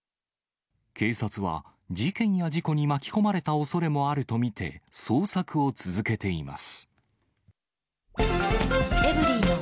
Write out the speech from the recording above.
警察は事件や事故に巻き込まれたおそれもあると見て、捜索を続けています。